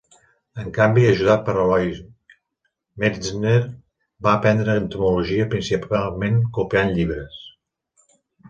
En canvi, ajudat per Alois Metzner, va aprendre entomologia principalment copiant llibres.